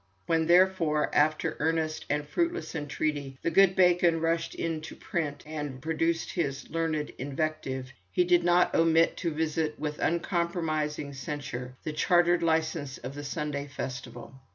When, therefore, after earnest and fruitless entreaty, the good Becon rushed into print and produced his learned 'Invective,' he did not omit to visit with uncompromising censure the chartered licence of this Sunday festival.